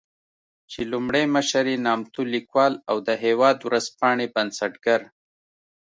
چې لومړی مشر يې نامتو ليکوال او د "هېواد" ورځپاڼې بنسټګر